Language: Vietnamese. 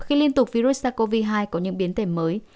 khi liên tục virus sars cov hai có những biến thể mới